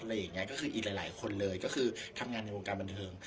อะไรอย่างนี้ก็คืออีกหลายคนเลยก็คือทำงานในวงการบันเทิง